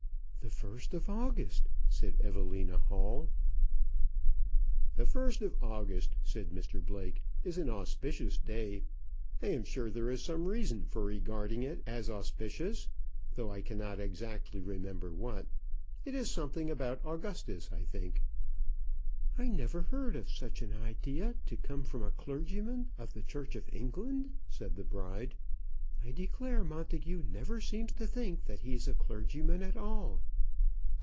"The 1st of August," said Evelina Hall. "The 1st of August," said Mr Blake, "is an auspicious day. I am sure there is some reason for regarding it as auspicious, though I cannot exactly remember what. It is something about Augustus, I think." "I never heard of such an idea to come from a clergyman of the Church of England," said the bride. "I declare Montagu never seems to think that he's a clergyman at all."